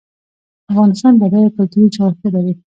افغانستان بډایه کلتوري جغرافیه لري